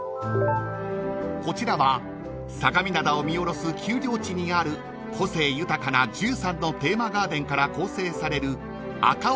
［こちらは相模灘を見下ろす丘陵地にある個性豊かな１３のテーマガーデンから構成される］